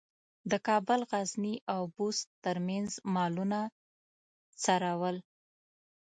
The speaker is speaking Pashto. د کابل، غزني او بُست ترمنځ مالونه څرول.